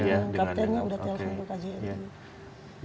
iya dengan kaptennya sudah telepon ke kjri